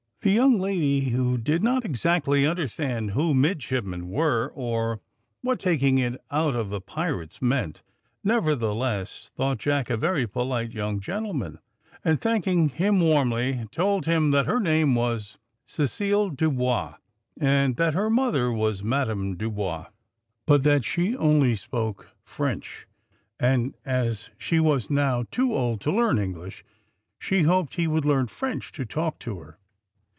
The young lady, who did not exactly understand who midshipmen were, or what taking it out of the pirates meant, nevertheless thought Jack a very polite young gentleman, and thanking him warmly, told him that her name was Cecile Dubois, and that her mother was Madame Dubois, but that she only spoke French, and as she was now too old to learn English, she hoped he would learn French to talk to her.